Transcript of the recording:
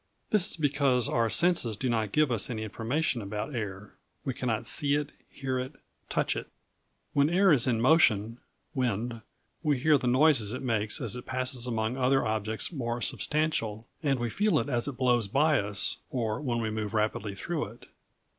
This is because our senses do not give us any information about air. We cannot see it, hear it, touch it. When air is in motion (wind) we hear the noises it makes as it passes among other objects more substantial; and we feel it as it blows by us, or when we move rapidly through it.